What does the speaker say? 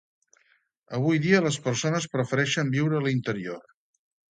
Avui dia les persones prefereixen viure a l'interior.